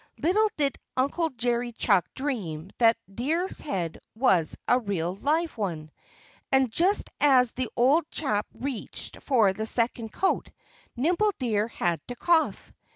Little did Uncle Jerry Chuck dream that the Deer's head was a real, live one. And just as the old chap reached for the second coat Nimble Deer had to cough.